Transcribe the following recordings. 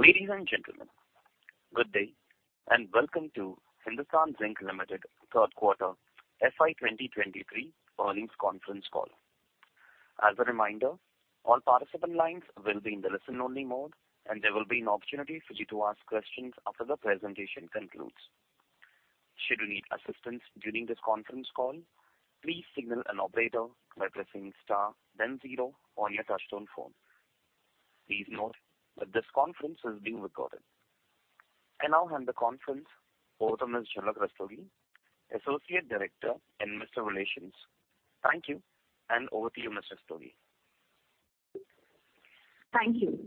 Ladies and gentlemen, good day and welcome to Hindustan Zinc Limited third quarter FY 2023 earnings conference call. As a reminder, all participant lines will be in the listen-only mode, and there will be an opportunity for you to ask questions after the presentation concludes. Should you need assistance during this conference call, please signal an operator by pressing star then zero on your touchtone phone. Please note that this conference is being recorded. I now hand the conference over to Ms. Jhalak Rastogi, Associate Director, Investor Relations. Thank you. Over to you, Ms. Rastogi. Thank you.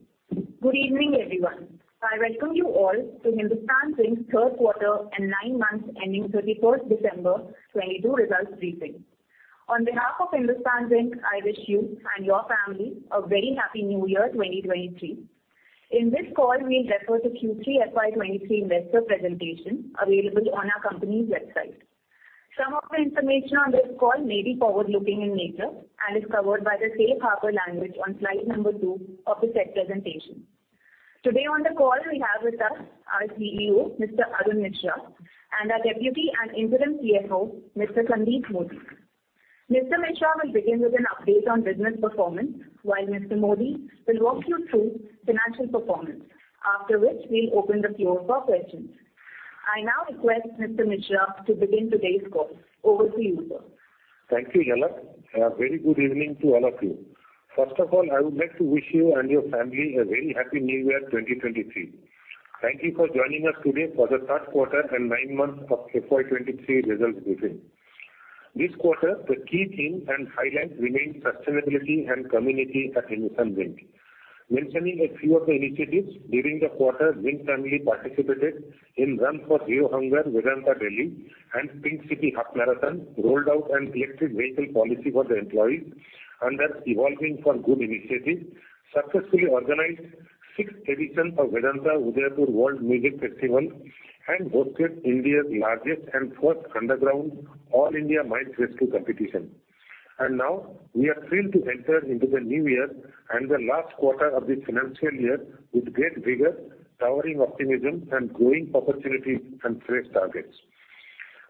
Good evening, everyone. I welcome you all to Hindustan Zinc third quarter and nine months ending 31st December 2022 results briefing. On behalf of Hindustan Zinc, I wish you and your family a very happy new year, 2023. In this call, we refer to Q3 FY 2023 investor presentation available on our company's website. Some of the information on this call may be forward-looking in nature and is covered by the safe harbor language on slide number two of the said presentation. Today on the call we have with us our CEO, Mr. Arun Misra, and our Deputy and Interim CFO, Mr. Sandeep Modi. Mr. Misra will begin with an update on business performance, while Mr. Modi will walk you through financial performance. After which we'll open the floor for questions. I now request Mr. Misra to begin today's call. Over to you, sir. Thank you, Jhalak. A very good evening to all of you. First of all, I would like to wish you and your family a very happy new year, 2023. Thank you for joining us today for the third quarter and nine months of FY 2023 results briefing. This quarter, the key theme and highlight remain sustainability and community at Hindustan Zinc. Mentioning a few of the initiatives during the quarter, Zinc family participated in Run for Zero Hunger Vedanta Delhi and Pink City Half Marathon, rolled out an electric vehicle policy for the employees under EVolving for Good initiative, successfully organized sixth edition of Vedanta Udaipur World Music Festival and hosted India's largest and fourth underground All India Mines Rescue Competition. Now we are thrilled to enter into the new year and the last quarter of the financial year with great vigor, towering optimism and growing opportunities and fresh targets.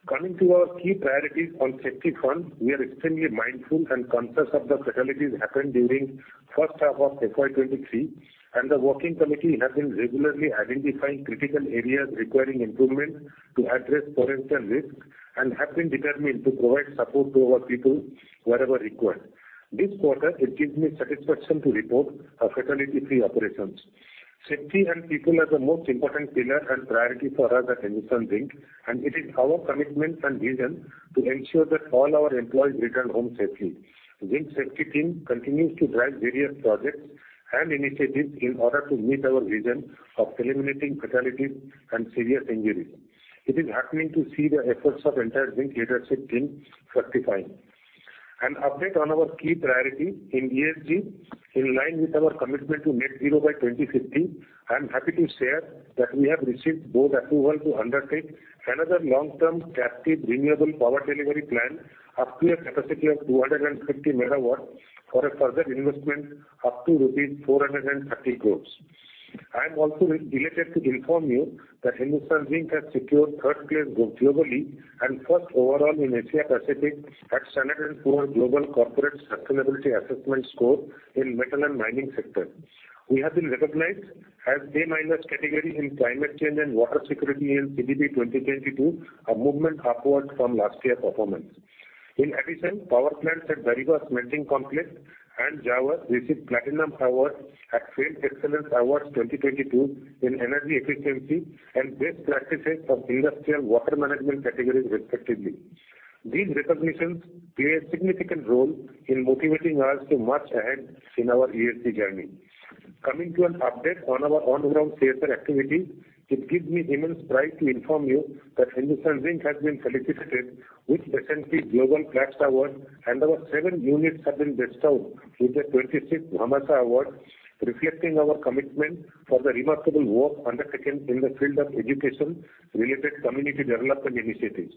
Coming to our key priorities on safety front, we are extremely mindful and conscious of the fatalities happened during first half of FY 2023, and the working committee has been regularly identifying critical areas requiring improvement to address parental risk and have been determined to provide support to our people wherever required. This quarter, it gives me satisfaction to report a fatality-free operations. Safety and people are the most important pillar and priority for us at Hindustan Zinc, and it is our commitment and vision to ensure that all our employees return home safely. Zinc safety team continues to drive various projects and initiatives in order to meet our vision of eliminating fatalities and serious injuries. It is heartening to see the efforts of entire Zinc leadership team justifying. An update on our key priority in ESG. In line with our commitment to net zero by 2050, I am happy to share that we have received board approval to undertake another long-term captive renewable power delivery plan up to a capacity of 250 megawatts for a further investment up to rupees 430 crores. I am also delighted to inform you that Hindustan Zinc has secured third place globally and first overall in Asia-Pacific at Standard & Poor's Global Corporate Sustainability Assessment Score in metal and mining sector. We have been recognized as A-minus category in climate change and water security in CDP 2022, a movement upward from last year performance. In addition, power plants at Bhilwara Smelting Complex and Zawar received Platinum Award at Safety Excellence Awards 2022 in energy efficiency and best practices for industrial water management categories respectively. These recognitions play a significant role in motivating us to march ahead in our ESG journey. Coming to an update on our on-ground CSR activities. It gives me immense pride to inform you that Hindustan Zinc has been felicitated with S&P Global Flagship Award and our seven units have been bestowed with the 26th Bhamashah Award, reflecting our commitment for the remarkable work undertaken in the field of education related community development initiatives.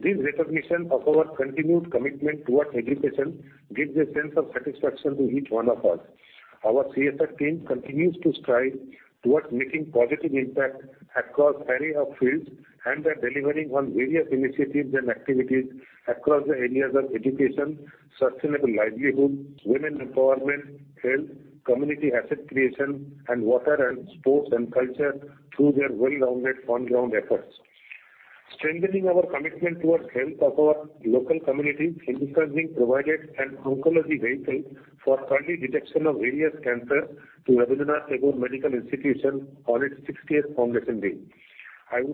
This recognition of our continued commitment towards education gives a sense of satisfaction to each one of us. Our CSR team continues to strive towards making positive impact across array of fields and are delivering on various initiatives and activities across the areas of education, sustainable livelihood, women empowerment, health, community asset creation and water and sports and culture through their well-rounded on-ground efforts. Strengthening our commitment towards health of our local community, Hindustan Zinc provided an oncology vehicle for early detection of various cancers to Rabindra Tagore Medical Institution on its 60th foundation day. Our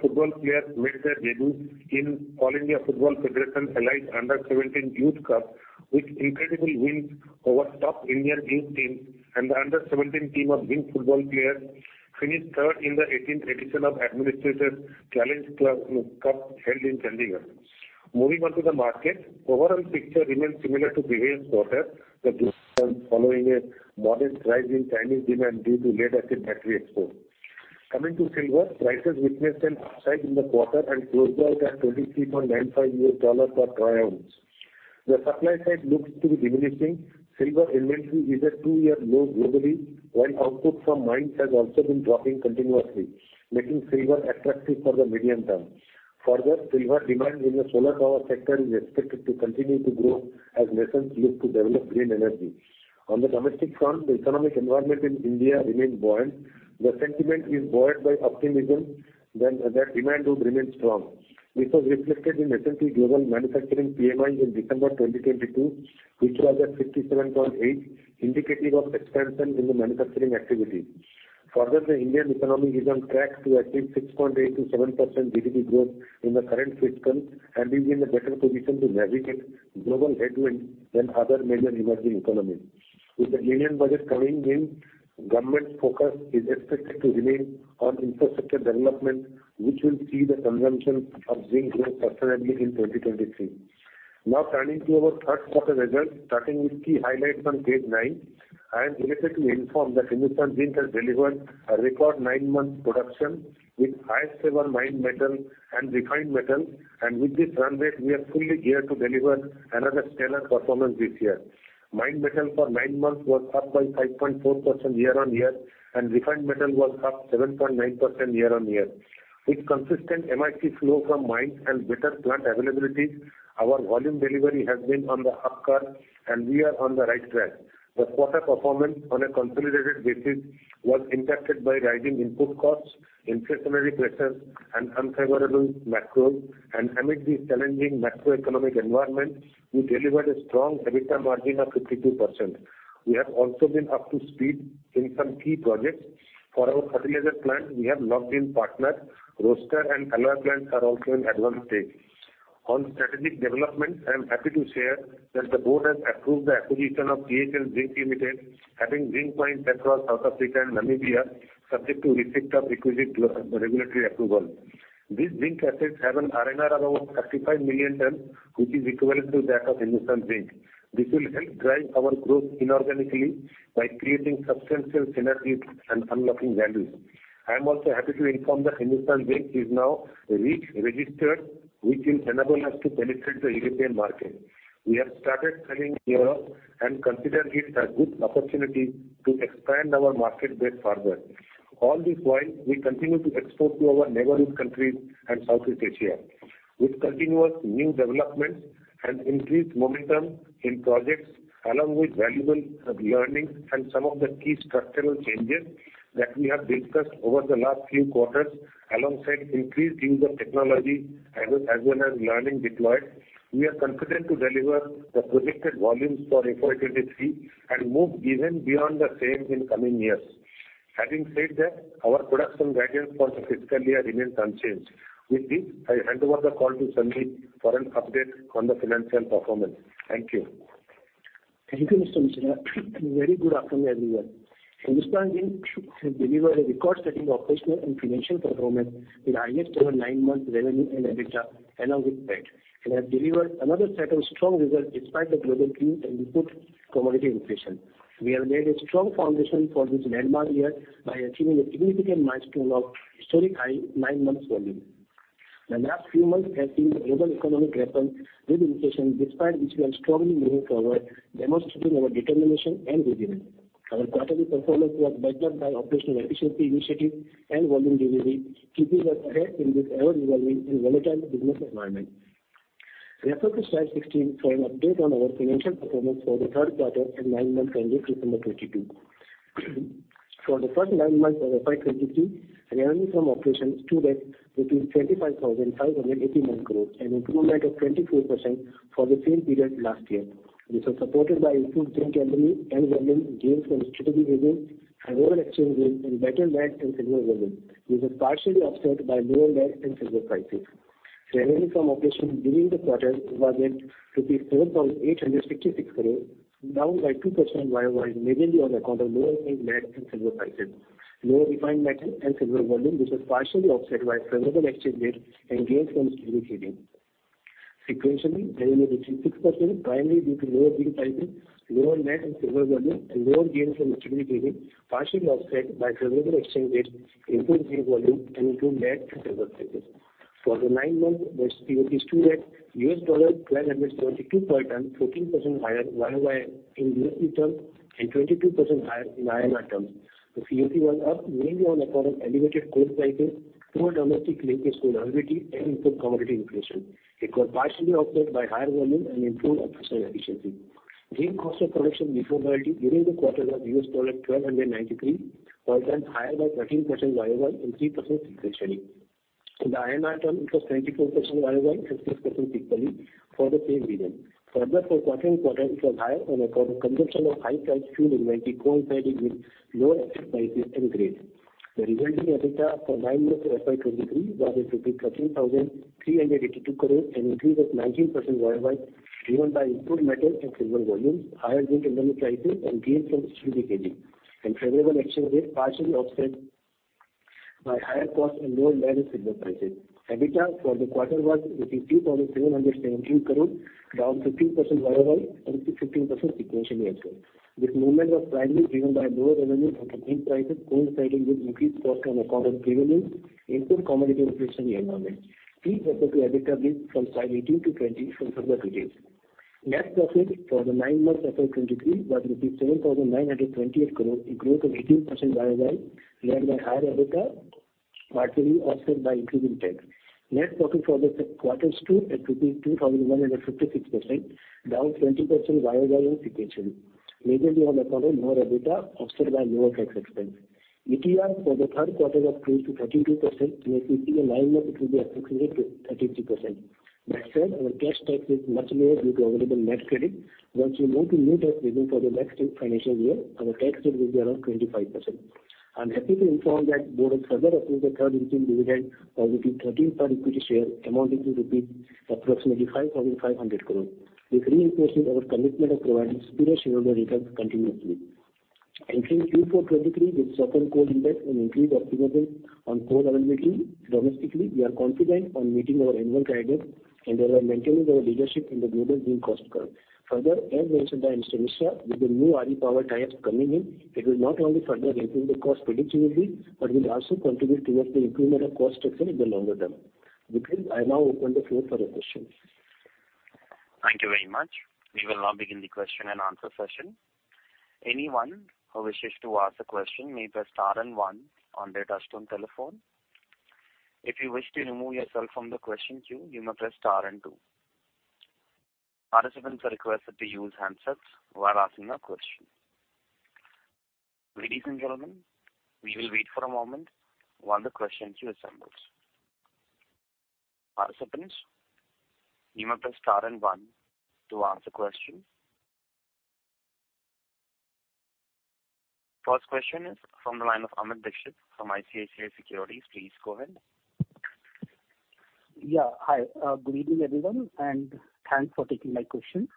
football players made their debut in All India Football Federation Elite U-17 Youth Cup with incredible wins over top Indian youth team and the under 17 team of Zinc football players finished third in the 18th edition of Administrator's Challenge Cup held in Chandigarh. Moving on to the market. Overall picture remains similar to previous quarter. The following a modest rise in Chinese demand due to lead acid battery exports. Coming to silver, prices witnessed an upside in the quarter and closed out at $23.95 per troy ounce. The supply side looks to be diminishing. Silver inventory is at two-year low globally, while output from mines has also been dropping continuously, making silver attractive for the medium term. Further, silver demand in the solar power sector is expected to continue to grow as nations look to develop green energy. On the domestic front, the economic environment in India remains buoyant. The sentiment is buoyed by optimism that demand would remain strong. This was reflected in S&P Global Manufacturing PMIs in December 2022, which was at 57.8, indicative of expansion in the manufacturing activity. Further, the Indian economy is on track to achieve 6.8% to 7% GDP growth in the current fiscal and is in a better position to navigate global headwinds than other major emerging economies. With the union budget coming in, government's focus is expected to remain on infrastructure development, which will see the consumption of zinc grow substantially in 2023. Now turning to our third quarter results, starting with key highlights on page nine. I am delighted to inform that Hindustan Zinc has delivered a record nine-month production with highest ever mine metal and refined metal. With this run rate, we are fully geared to deliver another stellar performance this year. Mine metal for nine months was up by 5.4% year-on-year. Refined metal was up 7.9% year-on-year. With consistent MIC flow from mines and better plant availabilities, our volume delivery has been on the up curve, and we are on the right track. The quarter performance on a consolidated basis was impacted by rising input costs, inflationary pressures, and unfavorable macros. Amid this challenging macroeconomic environment, we delivered a strong EBITDA margin of 52%. We have also been up to speed in some key projects. For our Zawar plant, we have locked in partners. Roaster and alloy plants are also in advanced stage. On strategic developments, I am happy to share that the board has approved the acquisition of THL Zinc Limited, having zinc mines across South Africa and Namibia, subject to receipt of requisite regulatory approval. These zinc assets have an R&R of over 35 million tons, which is equivalent to that of Hindustan Zinc. This will help drive our growth inorganically by creating substantial synergies and unlocking value. I am also happy to inform that Hindustan Zinc is now REACH-registered, which will enable us to penetrate the European market. We have started selling in Europe and consider it a good opportunity to expand our market base further. All this while, we continue to export to our neighborhood countries and Southeast Asia. With continuous new developments and increased momentum in projects, along with valuable learning and some of the key structural changes that we have discussed over the last few quarters, alongside increased use of technology as well as learning deployed, we are confident to deliver the projected volumes for FY 2023 and move even beyond the same in coming years. Having said that, our production guidance for the fiscal year remains unchanged. With this, I hand over the call to Sandeep for an update on the financial performance. Thank you. Thank you, Mr. Misra. A very good afternoon, everyone. Hindustan Zinc has delivered a record-setting operational and financial performance with highest ever nine-month revenue and EBITDA, along with PAT, and has delivered another set of strong results despite the global gloom and input commodity inflation. We have laid a strong foundation for this landmark year by achieving a significant milestone of historic high nine-month volume. The last few months have seen a global economic grapple with inflation, despite which we are strongly moving forward, demonstrating our determination and resilience. Our quarterly performance was backed up by operational efficiency initiatives and volume delivery, keeping us ahead in this ever-evolving and volatile business environment. Refer to slide 16 for an update on our financial performance for the third quarter and nine months ended December 2022. For the first nine months of FY 2023, revenue from operations stood at 4,581 crore, an improvement of 24% for the same period last year. This was supported by improved zinc inventory and volume gains from stability hedging, favorable exchange rate, and better lead and silver volume. This was partially offset by lower lead and silver prices. Revenue from operations during the quarter was at 4,866 crore, down by 2% Y-o-Y, mainly on account of lower lead and silver prices. Lower refined metal and silver volume, which was partially offset by favorable exchange rate and gains from stability hedging. Sequentially, revenue grew 6%, primarily due to lower zinc prices, lower lead and silver volume, and lower gains from stability hedging, partially offset by favorable exchange rate, improved zinc volume, and improved lead and silver prices. For the nine months, the COGS stood at $1,272 per ton, 14% higher Y-o-Y in USD terms and 22% higher in INR terms. The COG was up mainly on account of elevated coal prices, lower domestic linkage to raw material, and input commodity inflation. It was partially offset by higher volume and improved operational efficiency. zinc cost of production before royalty during the quarter was $1,293 per ton, higher by 13% Y-o-Y and 3% sequentially. In the INR terms, it was 24% Y-o-Y and 6% sequentially for the same period. Further, for quarter-on-quarter, it was higher on account of consumption of high-priced fuel inventory coinciding with lower asset prices and grades. The resulting EBITDA for nine months of FY 2023 was at INR 13,382 crore, an increase of 19% Y-o-Y, driven by improved metal and silver volumes, higher zinc inventory prices, and gains from stability hedging, and favorable exchange rate, partially offset by higher cost and lower blend and shipment prices. EBITDA for the quarter was INR 82,717 crore, down 15% year-over-year and 15% sequentially also. This movement of primarily driven by lower revenue from the coal prices coinciding with increased cost on account of prevailing input commodity inflationary environment. Free cash flow to EBITDA improved from 518 to 20 from further decrease. Net profit for the nine months of 2023 was rupees 7,928 crore, a growth of 18% year-over-year, led by higher EBITDA, partially offset by increasing tax. Net profit for the quarter stood at rupees 2,156 crore, down 20% year-over-year and sequentially, majorly on account of lower EBITDA, offset by lower tax expense. ETR for the third quarter was 22%, whereas for the nine months it will be approximately 33%. Next slide. Our cash tax is much lower due to available net credit. Once you move to new tax regime for the next financial year, our tax rate will be around 25%. I'm happy to inform that board has further approved the third interim dividend of INR 13 per equity share, amounting to INR approximately 5,500 crore. This reinforces our commitment of providing superior shareholder returns continuously. Entering Q4 2023 with softer coal index and increased optimism on coal availability domestically, we are confident on meeting our annual guidance and thereby maintaining our leadership in the global zinc cost curve. As mentioned by Mr. Mishra, with the new RE power tariffs coming in, it will not only further improve the cost predictably, but will also contribute towards the improvement of cost structure in the longer term. With this, I now open the floor for your questions. Thank you very much. We will now begin the question and answer session. Anyone who wishes to ask a question may press star and one on their touch-tone telephone. If you wish to remove yourself from the question queue, you may press star and two. Participants are requested to use handsets while asking a question. Ladies and gentlemen, we will wait for a moment while the question queue assembles. Participants, you may press star and one to ask a question. First question is from the line of Amit Dixit from ICICI Securities. Please go ahead. Yeah. Hi, good evening, everyone, thanks for taking my questions.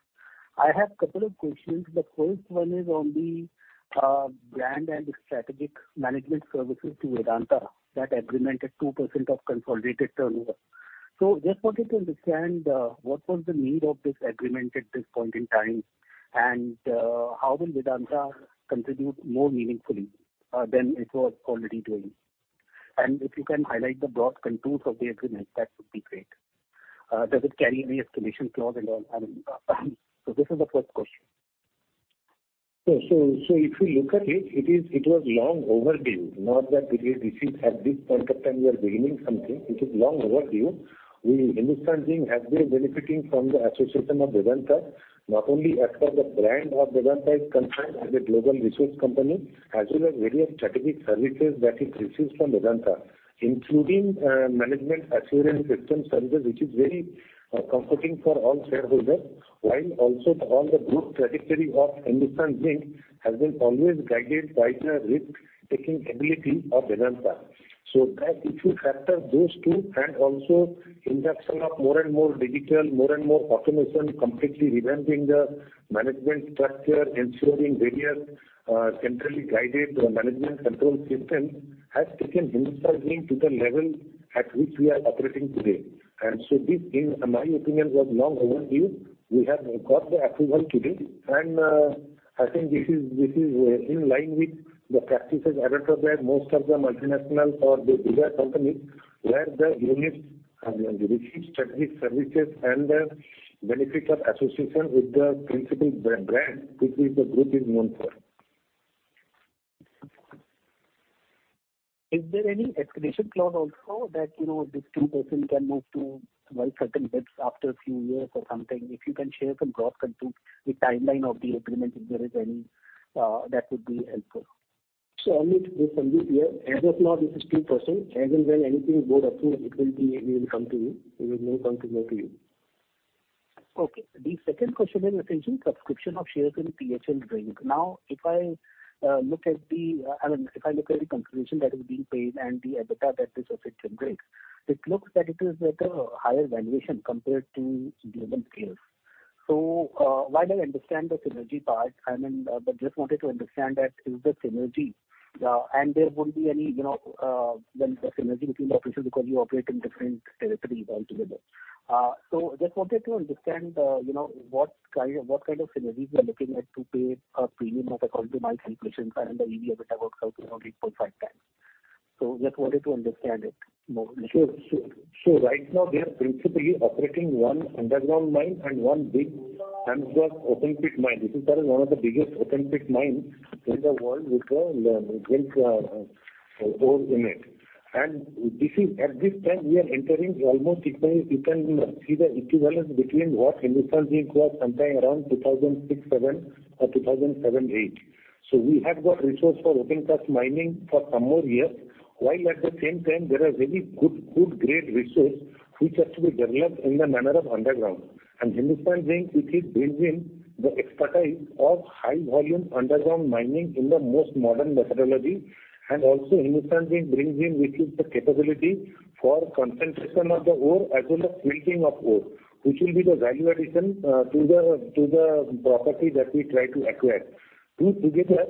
I have couple of questions. The first one is on the brand and strategic management services to Vedanta that agreement at 2% of consolidated turnover. Just wanted to understand what was the need of this agreement at this point in time, how will Vedanta contribute more meaningfully than it was already doing? If you can highlight the broad contours of the agreement, that would be great. Does it carry any escalation clause at all? I mean, this is the first question. If you look at it was long overdue. Not that this is at this point of time we are beginning something. It is long overdue. We, Hindustan Zinc has been benefiting from the association of Vedanta, not only as far as the brand of Vedanta is concerned as a global resource company, as well as various strategic services that it receives from Vedanta, including management assurance system services, which is very comforting for all shareholders, while also all the good trajectory of Hindustan Zinc has been always guided by the risk-taking ability of Vedanta. That if you factor those two and also induction of more and more digital, more and more automation, completely revamping the management structure, ensuring various centrally guided management control system has taken Hindustan Zinc to the level at which we are operating today. This, in my opinion, was long overdue. We have got the approval today, and I think this is in line with the practices adopted by most of the multinational or the bigger companies, where the units receive strategic services and the benefit of association with the principal brand which is the group is known for. Is there any escalation clause also that, you know, this 2% can move to, well, certain bits after a few years or something? If you can share some broad contours, the timeline of the agreement, if there is any, that would be helpful. Amit, this from this year. As of now this is 2%. As and when anything board approves, it will be, we will come to you. We will make something known to you. Okay. The second question in attention, subscription of shares in THL Zinc. Now, if I look at the, I mean, if I look at the consideration that is being paid and the EBITDA that this asset generates, it looks that it is at a higher valuation compared to given peers. While I understand the synergy part, I mean, just wanted to understand that is the synergy, and there won't be any, you know, well, the synergy between the offices because you operate in different territories altogether. Just wanted to understand, you know, what kind of synergies we are looking at to pay a premium of, according to my calculations and the EV/EBITDA works out to around 8.5x. Just wanted to understand it more. Sure. Right now we are principally operating one underground mine and one big Gamsberg open pit mine. This is one of the biggest open pit mines in the world with the zinc ore in it. At this time we are entering almost equivalent, you can see the equivalence between what Hindustan Zinc was sometime around 2006-2007 or 2007-2008. We have got resource for open cast mining for some more years, while at the same time there are very good grade resource which has to be developed in the manner of underground. Hindustan Zinc it brings in the expertise of high volume underground mining in the most modern methodology, and also Hindustan Zinc brings in with it the capability for concentration of the ore as well as quilting of ore, which will be the value addition to the property that we try to acquire. Two together,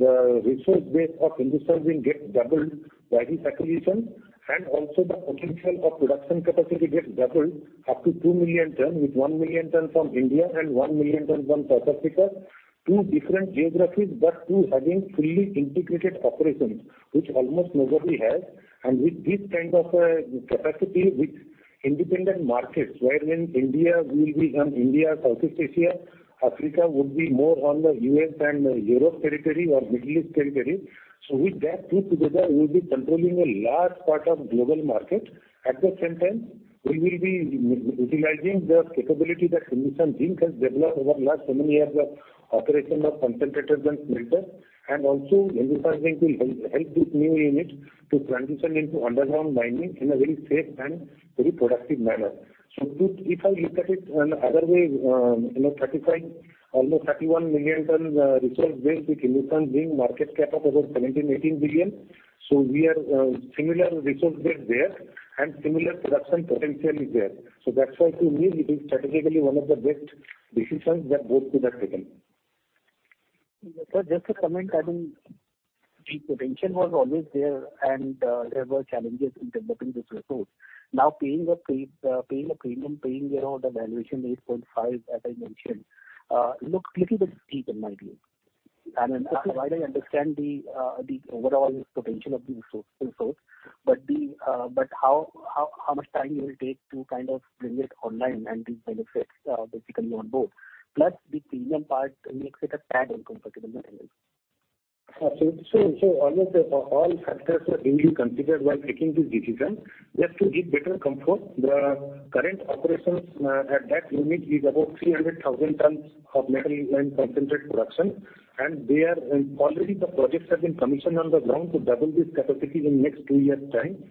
the resource base of Hindustan Zinc gets doubled by this acquisition and also the potential of production capacity gets doubled up to 2 million ton, with 1 million ton from India and 1 million ton from South Africa. Two different geographies, but two having fully integrated operations, which almost nobody has. With this kind of capacity with independent markets, wherein India will be on India, Southeast Asia, Africa would be more on the U.S. and Europe territory or Middle East territory. With that two together, we'll be controlling a large part of global market. At the same time, we will be utilizing the capability that Hindustan Zinc has developed over last so many years of operation of concentrators and smelters. Hindustan Zinc will help this new unit to transition into underground mining in a very safe and very productive manner. If I look at it in other way, you know, 35, almost 31 million ton resource base with Hindustan Zinc market cap of over 17 billion-18 billion. We are similar resource base there and similar production potentially there. That's why to me it is strategically one of the best decisions that board could have taken. Sir, just to comment, I mean, the potential was always there and there were challenges in developing this resource. Now, paying a premium, paying around a valuation 8.5, as I mentioned, looks little bit steep in my view. While I understand the overall potential of the resource, but how much time you will take to kind of bring it online and these benefits basically on board. Plus the premium part makes it a tad uncomfortable in my view. Almost all factors were duly considered while taking this decision. Just to give better comfort, the current operations at that unit is about 300,000 tons of metal and concentrate production. Already the projects have been commissioned on the ground to double this capacity in next two years' time.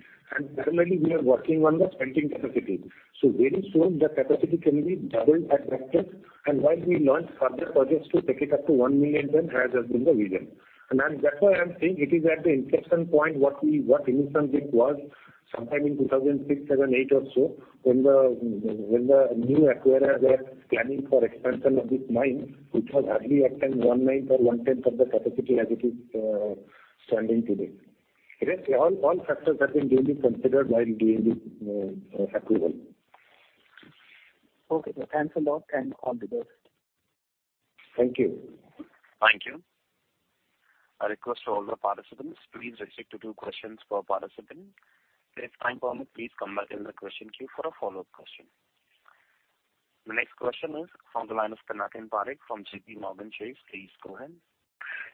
Parallelly, we are working on the smelting capacity. Very soon the capacity can be doubled at that place. While we launch further projects to take it up to 1 million ton, as has been the vision. I'm, that's why I'm saying it is at the inflection point what Hindustan Zinc was sometime in 2006, 2007, 2008 or so, when the new acquirers were planning for expansion of this mine, which was hardly at that 1/9-th or 1/10-th of the capacity as it is standing today. Yes, all factors have been duly considered while doing this approval. Okay, sir. Thanks a lot. All the best. Thank you. Thank you. I request all the participants, please restrict to two questions per participant. If time permit, please come back in the question queue for a follow-up question. The next question is from the line of Pinakin Parekh from JPMorgan Chase & Co. Please go ahead.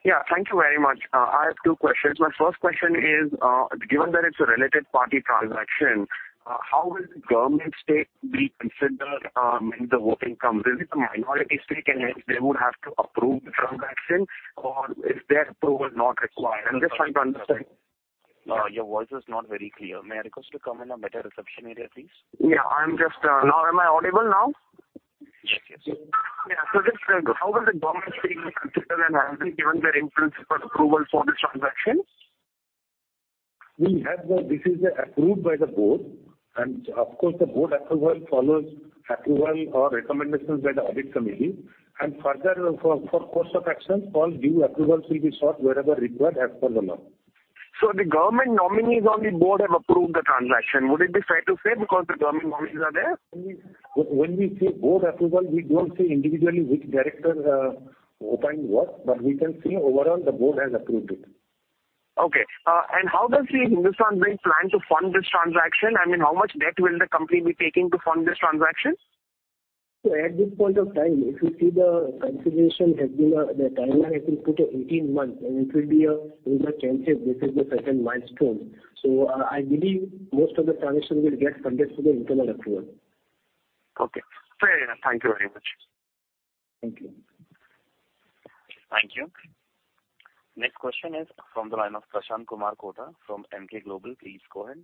Yeah, thank you very much. I have two questions. My first question is, given that it's a related party transaction, how will the government stake be considered in the whole income? Is it a minority stake, and hence they would have to approve the transaction, or is their approval not required? I'm just trying to understand. Your voice is not very clear. May I request you to come in a better reception area, please? Yeah, I'm just. Now, am I audible now? Yes. Yeah. Just how was the government stake considered and have they given their in-principle approval for this transaction? This is approved by the board. Of course, the board approval follows approval or recommendations by the audit committee. Further, for course of action, all due approvals will be sought wherever required as per the law. The government nominees on the board have approved the transaction. Would it be fair to say because the government nominees are there? When we say board approval, we don't say individually which director opined what, but we can say overall the board has approved it. Okay. How does Hindustan Zinc plan to fund this transaction? I mean, how much debt will the company be taking to fund this transaction? At this point of time, if you see the consideration has been, the timeline has been put at 18 months, and it will be a installment basis with certain milestones. I believe most of the transaction will get funded through the internal approval. Okay. Fair enough. Thank you very much. Thank you. Thank you. Next question is from the line of Prashant Kumar Godha from Emkay Global. Please go ahead.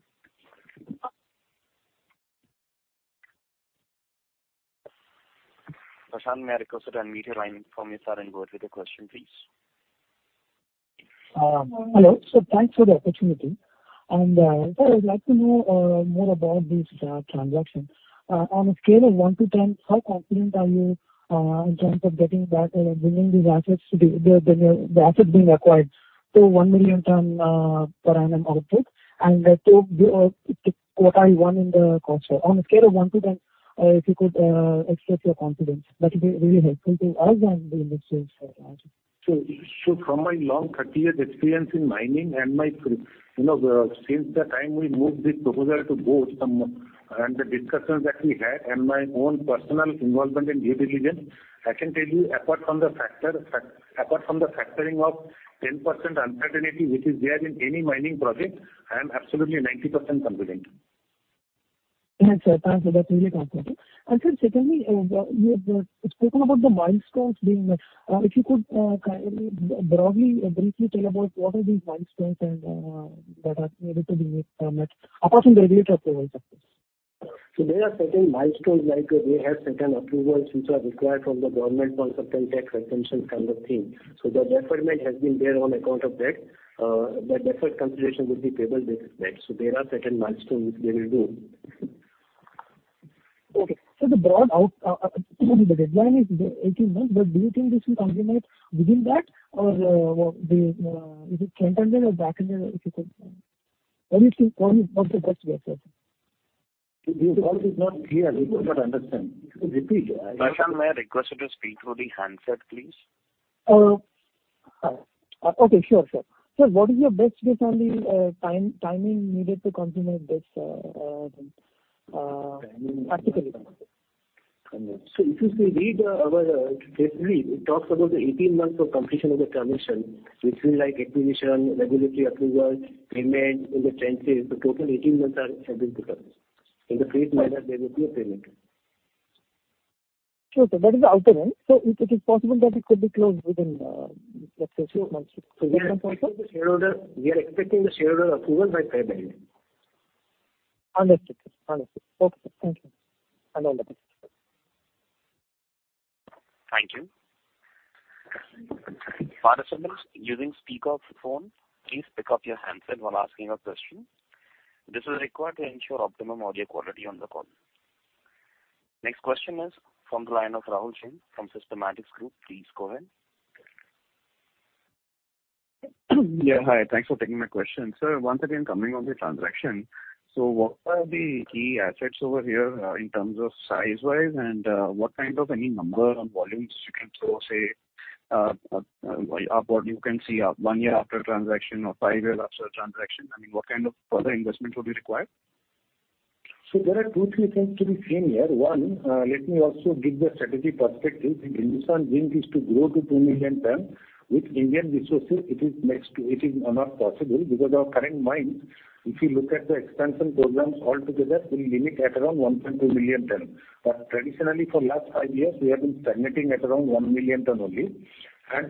Prashant, may I request you to unmute your line from your side and go ahead with your question, please. Hello. Thanks for the opportunity. Sir, I would like to know more about this transaction. On a scale of 1 to 10, how confident are you in terms of getting back or bringing these assets to the asset being acquired to 1 million ton per annum output? To give, to quote I want in the call center. On a scale of 1 to 10, if you could express your confidence, that'll be really helpful to us and the investors as well. From my long 30-year experience in mining and my, you know, since the time we moved this proposal to board some, and the discussions that we had and my own personal involvement in due diligence, I can tell you apart from the factoring of 10% uncertainty which is there in any mining project, I am absolutely 90% confident. Yes, sir. Thanks for the complete confidence. Sir, secondly, you had spoken about the milestones being met. If you could kindly broadly, briefly tell about what are these milestones and that are needed to be met, apart from the regulator approvals, of course? There are certain milestones, like we have certain approvals which are required from the government on certain tax exemptions kind of thing. The deferment has been there on account of that. That deferred consideration will be payable based on that. There are certain milestones which they will do. Okay. The broad out, excuse me, the deadline is 18 months. Do you think this will consummate within that? Is it front end or back end, if you could? What is, what's the best guess here? Your call is not clear. We could not understand. Repeat. Prashant, may I request you to speak through the handset, please? okay, sure. What is your best guess on the timing needed to consummate this? Timing. Article? If you read our, press release, it talks about the 18 months for completion of the transaction, which will like acquisition, regulatory approvals, payment in the trenches. The total 18 months are, have been put up. In the phase manner, there will be a payment. Sure, sir. That is the outer end. If it is possible that it could be closed within, let's say 6 months from that point of time. We are expecting the shareholder approval by February. Understood, sir. Understood. Okay, sir. Thank you. Have a lovely day. Thank you. Participants using speakerphone, please pick up your handset while asking a question. This is required to ensure optimum audio quality on the call. Next question is from the line of Rahul Jain from Systematix. Please go ahead. Yeah, hi. Thanks for taking my question. Sir, once again, coming on the transaction, what are the key assets over here in terms of size-wise and what kind of any number on volumes you can throw, say, what you can see one year after transaction or five year after transaction? I mean, what kind of further investment will be required? There are two, three hings to be seen here. One, let me also give the strategic perspective. If Hindustan Zinc is to grow to 2 million tons, with Indian resources, it is not possible because our current mines, if you look at the expansion programs altogether, will limit at around 1.2 million tons. Traditionally, for last five years, we have been stagnating at around 1 million tons only.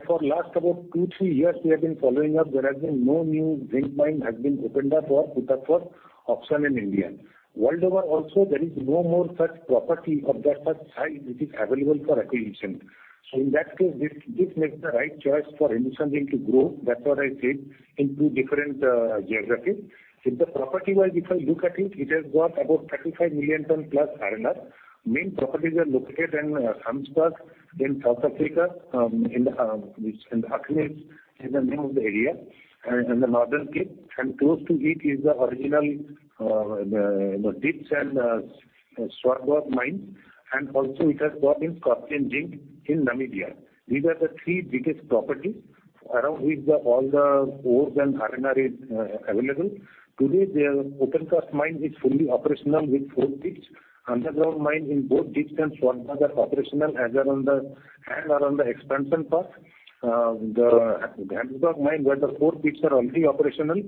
For last about two, three years we have been following up, there has been no new zinc mine has been opened up or put up for auction in India. World over also, there is no more such property of that such size which is available for acquisition. In that case, this makes the right choice for Hindustan Zinc to grow. That's what I said, in two different geographies. If the property wise, if I look at it has got about 35 million ton plus R&R. Main properties are located in Gamsberg, in South Africa, in the Aggeneys is the name of the area, in the Northern Cape, close to it is the original, you know, Deeps and Swartberg mine. Also it has got in Skorpion in Namibia. These are the three biggest properties around which the, all the ores and R&R is available. Today, the opencast mine is fully operational with four pits. Underground mine in both Deeps and Swartberg are operational, and are on the expansion path. The Gamsberg mine, where the four pits are already operational.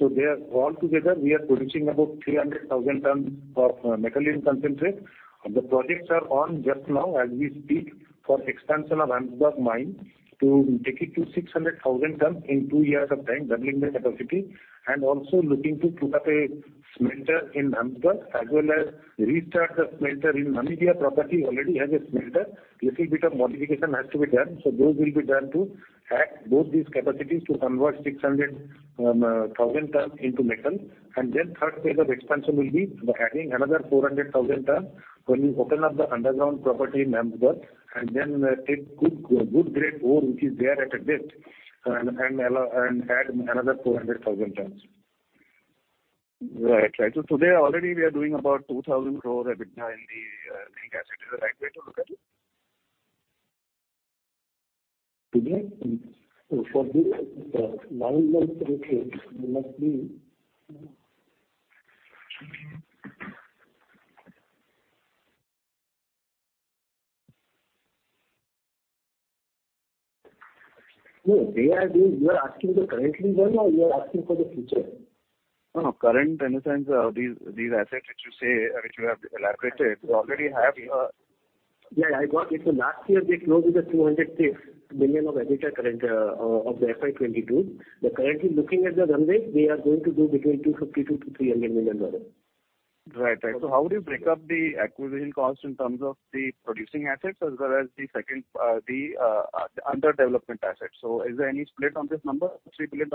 They are all together, we are producing about 300,000 tons of Mined Metal in Concentrate. The projects are on just now as we speak for expansion of Gamsberg mine to take it to 600,000 ton in two years of time, doubling the capacity, and also looking to put up a smelter in Gamsberg as well as restart the smelter in Namibia property already has a smelter. Little bit of modification has to be done. Those will be done to hack both these capacities to convert 600,000 ton into metal. Third phase of expansion will be adding another 400,000 ton when we open up the underground property in Gamsberg and then take good grade ore which is there at a depth and allow and add another 400,000 tons. Right. Right. Today already we are doing about 2,000 crore EBITDA in the zinc asset. Is it the right way to look at it? Today? For the nine months of the year, it must be... No, they are. You are asking the currently year or you are asking for the future? No, no. Current in the sense, these assets which you say, which you have elaborated, you already have your... Yeah, I got it. Last year they closed with a $206 million of EBITDA current, of the FY 2022. Currently looking at the runway, we are going to do between $250 million-$300 million. Right. Right. How would you break up the acquisition cost in terms of the producing assets as well as the second, the under development assets? Is there any split on this number, $3 billion?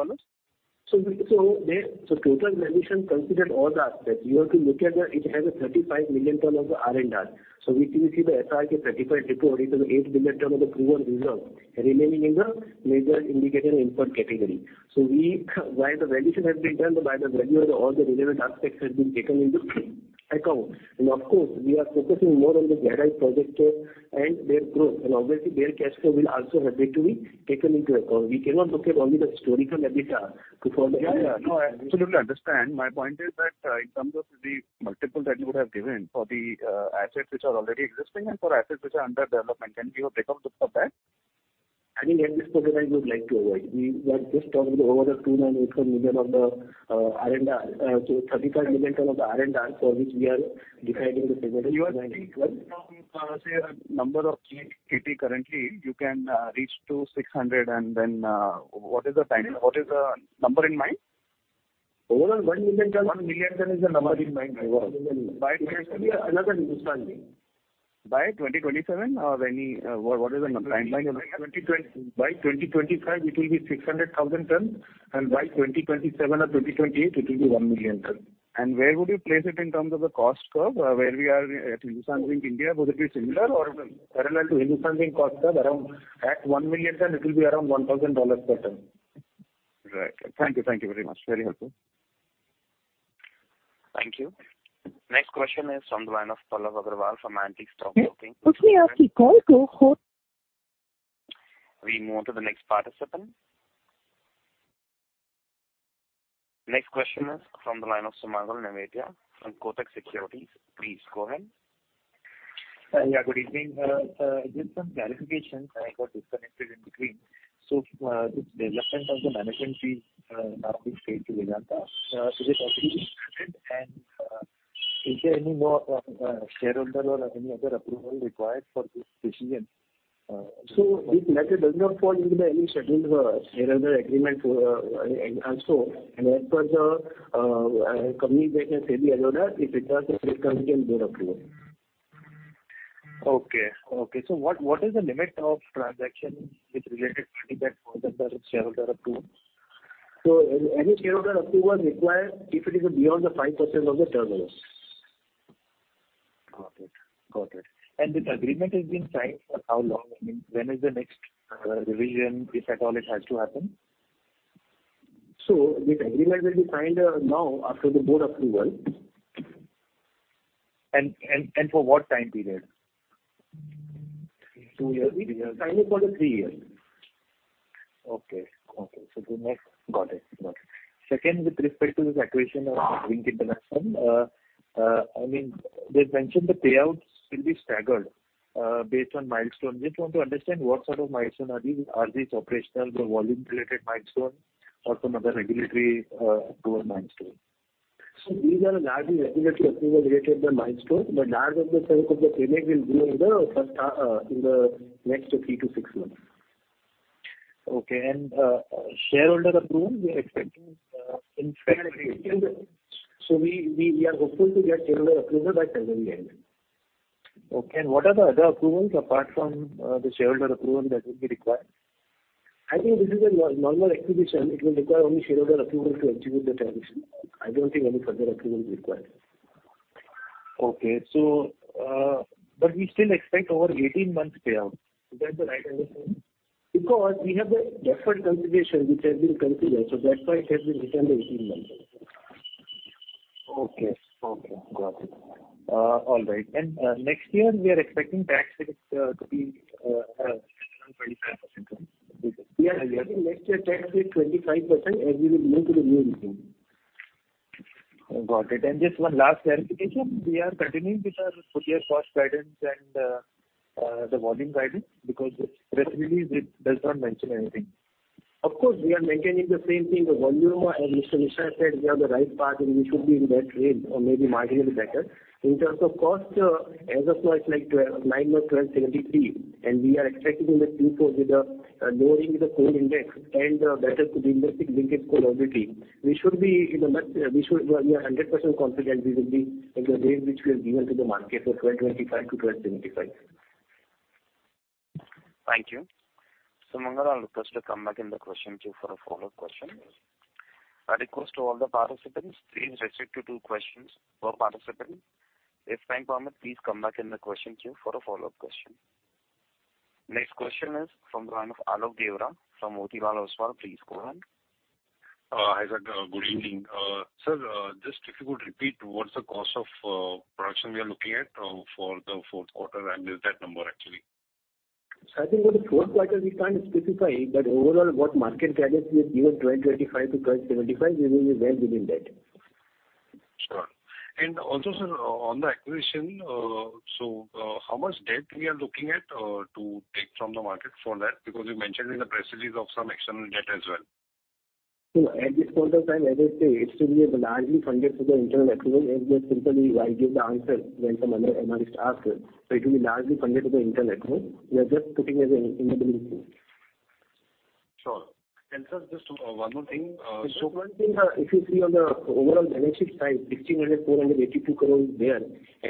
There, total valuation considered all the aspects. You have to look at it has a 35 million tons of the R&R. We can see the SRK report report, it is an 8 billion tons of the proven reserve remaining in the major indicated and inferred category. We, while the valuation has been done, by the value of the all the relevant aspects has been taken into account. Of course, we are focusing more on the warehouse project share and their growth. Obviously their cash flow will also have to be taken into account. We cannot look at only the historical EBITDA to form. Yeah, yeah. No, I absolutely understand. My point is that, in terms of the multiple that you would have given for the, assets which are already existing and for assets which are under development, can you give a breakup of that? I mean, that discussion I would like to avoid. We were just talking over the 298 million of the R&R, so 35 million ton of the R&R for which we are deciding the premium. You are saying from, say a number of 850 currently, you can reach to 600 and then, what is the time, what is the number in mind? Overall 1 million ton-. 1 million ton is the number in mind. INR 1 million. By when? Actually another Hindustan Zinc. By 2027 or any, what is the timeline you have? By 2025 it will be 600,000 tons, and by 2027 or 2028 it will be 1 million tons. Where would you place it in terms of the cost curve, where we are at Hindustan Zinc, would it be similar or parallel to Hindustan Zinc cost curve around, at 1 million ton it will be around $1,000 per ton. Right. Thank you. Thank you very much. Very helpful. Thank you. Next question is from the line of Pallav Agarwal from Axis Stockbroking. We move to the next participant. Next question is from the line of Sumangal Nevatia from Kotak Securities. Please go ahead. Yeah, good evening. Just some clarifications. I got disconnected in between. This development of the management fee, now being paid to Vedanta, is it already implemented and is there any more shareholder or any other approval required for this decision? This letter does not fall into any scheduled shareholder agreement. As per the company's business ADR, if it does, then the company can board approve it. Okay. Okay. What is the limit of transaction with related party that falls under shareholder approval? Any shareholder approval required if it is beyond the 5% of the turnover. Got it. Got it. This agreement has been signed for how long? I mean, when is the next revision, if at all it has to happen? This agreement will be signed now after the board approval. For what time period? Two years. Two years. Signed for the three years. Okay. Okay. Got it. Second, with respect to this acquisition of Zinc International, I mean, they've mentioned the payouts will be staggered based on milestone. Just want to understand what sort of milestone are these. Are these operational or volume related milestone or some other regulatory approval milestone? These are largely regulatory approval related milestones, but large of the bulk of the payment will be in the first half in the next three to six months. Okay. Shareholder approval, we are expecting in February. We are hopeful to get shareholder approval by February end. Okay. What are the other approvals apart from the shareholder approval that will be required? I think this is a normal acquisition. It will require only shareholder approval to execute the transaction. I don't think any further approval is required. Okay. We still expect over 18 months payout. Is that the right understanding? We have the deferred consideration which has been considered, so that's why it has been written 18 months. Okay. Okay. Got it. All right. Next year we are expecting tax rate to be around 25%? Yes. I think next year tax rate 25% as we will move to the new regime. Got it. Just one last clarification. We are continuing with our full-year cost guidance and the volume guidance because the press release it does not mention anything. Of course, we are maintaining the same thing. The volume, as Mr. Misra said, we are on the right path and we should be in that range or maybe marginally better. In terms of cost, as of now it's like $9 or $1,273, and we are expecting in the Q4 with the lowering the coal index and better de-investing linkage coal availability, we are 100% confident we will be in the range which we have given to the market of $1,225-1,275. Thank you. Sumangal, I'll request you to come back in the question queue for a follow-up question. I request to all the participants, please restrict to two questions per participant. If time permit, please come back in the question queue for a follow-up question. Next question is from the line of Alok Deora from Motilal Oswal. Please go ahead. Hi, sir. Good evening. Sir, just if you could repeat what's the cost of production we are looking at for the fourth quarter, and is that number actually? I think for the fourth quarter we can't specify, but overall what market guidance we have given, $1,225-1,275, we will be well within that. Sure. Also, sir, on the acquisition, how much debt we are looking at to take from the market for that? Because you mentioned in the press release of some external debt as well. At this point of time, as I say, it should be largely funded through the internal accrual. As just simply I gave the answer when some other analyst asked. It will be largely funded through internal accrual. We are just putting as a, in the belief. Sure. Sir, just one more thing. Just one thing, if you see on the overall balance sheet side, 1,600 482 crore is there.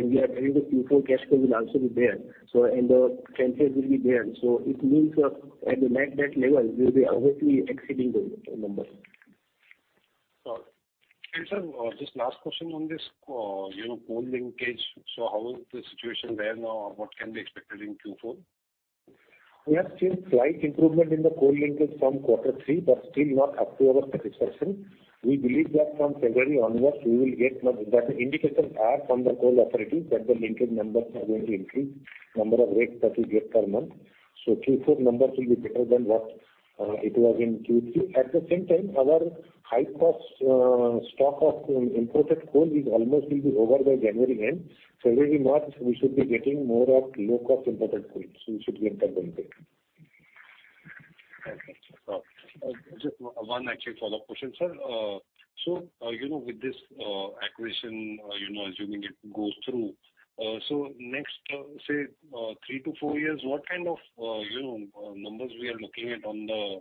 We are telling the Q4 cash flow will also be there. The 10K will be there. It means at the net debt level, we will be obviously exceeding the number. Sure. Sir, just last question on this. You know, coal linkage. How is the situation there now? What can be expected in Q4? We have seen slight improvement in the coal linkage from Q3, but still not up to our satisfaction. We believe that from February onwards we will get more, but the indications are from the coal authority that the linkage numbers are going to increase, number of rakes that we get per month. Q4 numbers will be better than what it was in Q3. At the same time, our high cost stock of imported coal is almost will be over by January end. February, March, we should be getting more of low cost imported coal, so it should be incorporated. Okay. Just one actually follow-up question, sir. You know, with this acquisition, you know, assuming it goes through, next, say, to four three years, what kind of, you know, numbers we are looking at?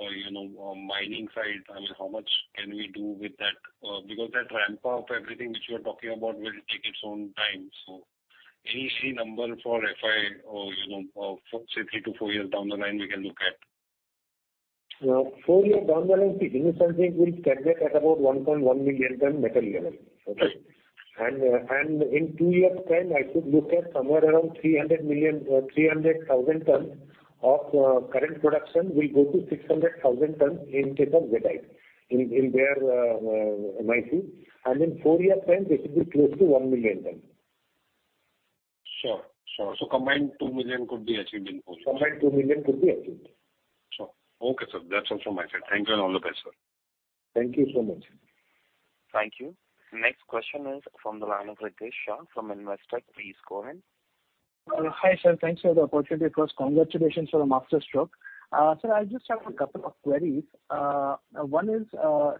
You know, mining side, I mean, how much can we do with that? Because that ramp up, everything which you are talking about will take its own time. Any see number for FY or you know, for say three to four years down the line we can look at. Now four years down the line, see Hindustan Zinc will stand at about 1.1 million ton metal level. Okay. Right. In 2 years time, I should look at somewhere around 300,000 ton of current production will go to 600,000 ton in case of ZI. In their minefield. In four years time this will be close to 1 million ton. Sure, sure. Combined 2 million could be achieved in four years. Combined 2 million could be achieved. Sure. Okay, sir. That's all from my side. Thank you and all the best, sir. Thank you so much. Thank you. Next question is from the line of Ritesh Shah from Investec. Please go ahead. Hi, sir. Thanks for the opportunity. Of course, congratulations for the master stroke. Sir, I just have a couple of queries. One is,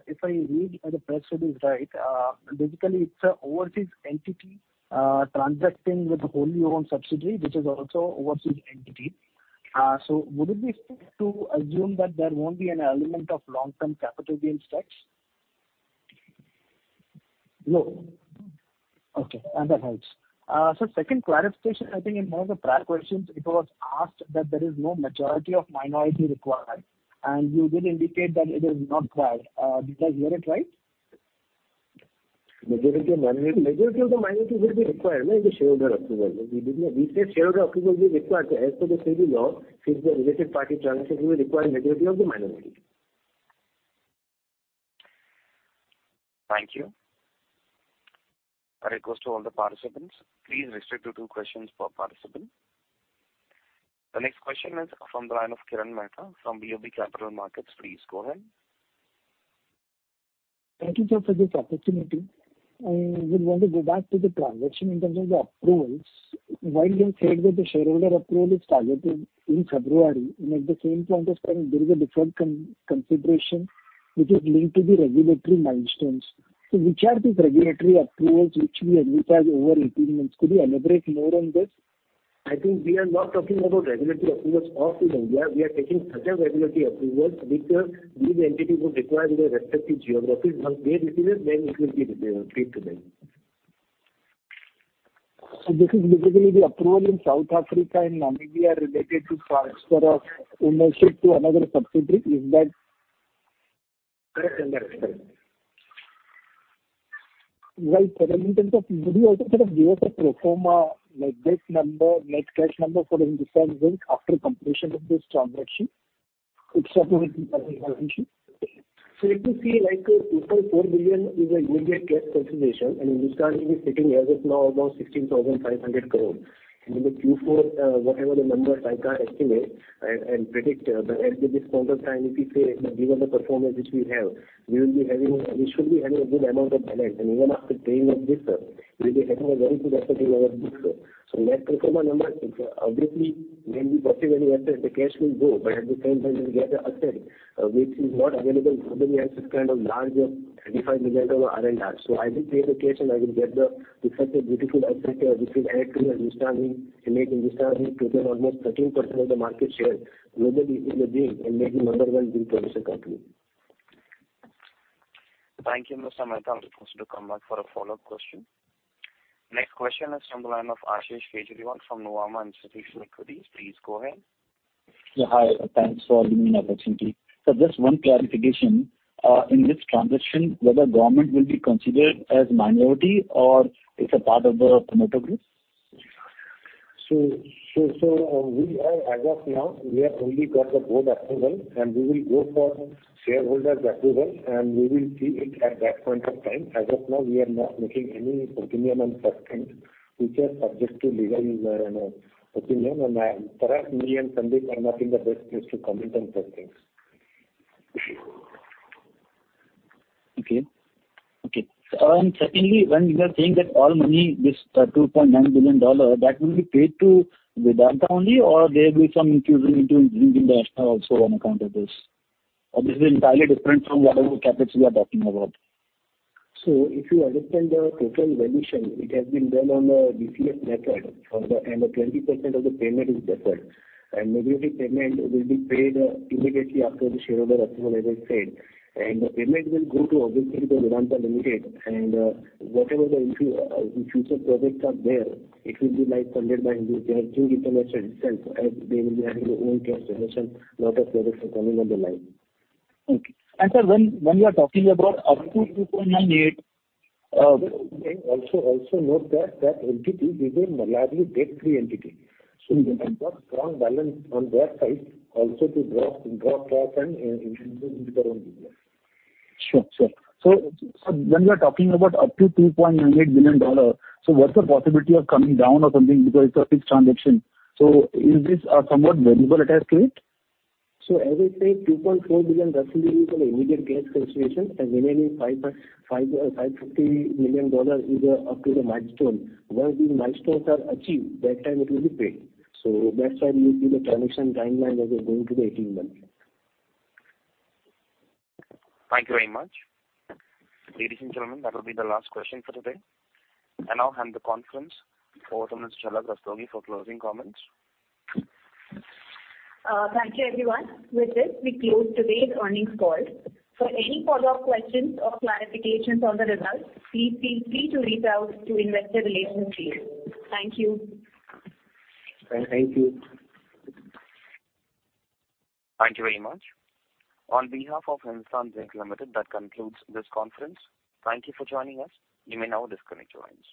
if I read the press release right, basically it's a overseas entity, transacting with a wholly owned subsidiary which is also overseas entity. Would it be fair to assume that there won't be an element of long-term capital gains tax? No. Okay, that helps. Second clarification, I think in one of the prior questions it was asked that there is no majority of minority required, you did indicate that it is not required. Did I hear it right? Majority of minority. Majority of the minority will be required in the shareholder approval. We say shareholder approval will be required. As per the SEBI law, since the related party transaction, we require majority of the minority. Thank you. I request to all the participants, please restrict to two questions per participant. The next question is from the line of Kirtan Mehta from BOB Capital Markets. Please go ahead. Thank you, sir, for this opportunity. I would want to go back to the transaction in terms of the approvals. While you have said that the shareholder approval is targeted in February, at the same point of time there is a deferred consideration which is linked to the regulatory milestones. Which are these regulatory approvals which we advertise over 18 months? Could you elaborate more on this? I think we are not talking about regulatory approvals of Hindustan. We are taking such a regulatory approvals which, these entities would require in their respective geographies. Once they receive it, then it will be paid to them. This is basically the approval in South Africa and Namibia related to transfer of ownership to another subsidiary. Correct. Correct. Right. In terms of would you also sort of give us a pro forma, like debt number, net cash number for Hindustan Zinc after completion of this transaction? If you see like 2.4 billion is a immediate cash consideration, and Hindustan Zinc is sitting as of now around 16,500 crore. In the Q4, whatever the numbers I can't estimate and predict, but as of this point of time, if you say given the performance which we have, we should be having a good amount of balance. Even after paying off this, we'll be having a very good asset in our book. Net pro forma number is obviously may be possibly lesser. The cash will go, but at the same time we'll get a asset which is not available normally as this kind of large 35 million ton of R&R. I will pay the cash and I will get the, it's such a beautiful asset, which will add to Hindustan Zinc and make Hindustan Zinc to be almost 13% of the market share globally in the zinc and maybe number one zinc producer company. Thank you, Mr. Mehta. I'll request you to come back for a follow-up question. Next question is from the line of Ashish Kejriwal from Nuvama Institutional Equities. Please go ahead. Yeah. Hi. Thanks for giving me an opportunity. Just one clarification. In this transaction, whether government will be considered as minority or it's a part of the promoter group? We are as of now, we have only got the board approval, and we will go for shareholders approval, and we will see it at that point of time. As of now, we are not making any opinion on such things which are subject to legal, you know, opinion. Perhaps me and Sandeep are not in the best place to comment on such things. Okay. Okay. secondly, when you are saying that all money, this, $2.9 billion, that will be paid to Vedanta only or there will be some infusion into Hindustan also on account of this? This is entirely different from whatever capital you are talking about? If you understand the total valuation, it has been done on a DCF method for the and a 20% of the payment is deferred. Majority payment will be paid immediately after the shareholder approval, as I said. The payment will go to obviously the Vedanta Limited. Whatever the future projects are there, it will be like funded by Hindustan through its own cash itself, as they will be having their own cash generation. Lot of projects are coming on the line. Okay. Sir, when you are talking about up to 2.98- Also note that entity is a largely debt-free entity. Mm-hmm. They have a strong balance on their side also to draw cash and invest into their own business. Sure. Sure. When you are talking about up to $2.98 billion, what's the possibility of coming down or something because it's a fixed transaction? Is this a somewhat variable attached to it? As I said, $2.4 billion roughly is an immediate cash consideration, remaining $550 million is up to the milestone. Once these milestones are achieved, that time it will be paid. That's why we give the transaction timeline as a going to be 18 months. Thank you very much. Ladies and gentlemen, that will be the last question for today. I now hand the conference over to Ms. Jhalak Rastogi for closing comments. Thank you everyone. With this, we close today's earnings call. For any follow-up questions or clarifications on the results, please feel free to reach out to Investor Relations team. Thank you. Thank you. Thank you very much. On behalf of Hindustan Zinc Limited, that concludes this conference. Thank you for joining us. You may now disconnect your lines.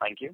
Thank you.